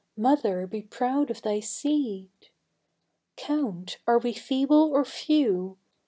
Mother, be proud of thy seed! Count, are we feeble or few?